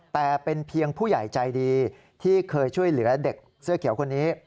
แต่เป็นเพียงผู้ใหญ่ใจดีที่เคยช่วยเหลือเด็กเสื้อเขียวคนนี้